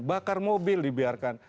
bakar mobil dibiarkan